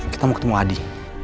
kita mau ketemu adi